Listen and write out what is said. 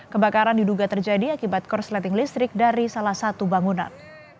kebakaran diduga terjadi akibat korsleting listrik dari salah satu bangunan